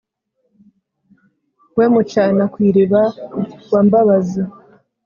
we mucana ku iriba wa mbabazi,